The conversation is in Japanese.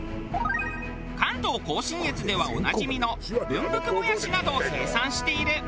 関東甲信越ではおなじみの分福もやしなどを生産している。